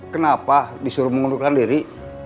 kenapa disuruh mengundurkan diri